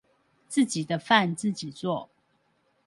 自己的飯自己做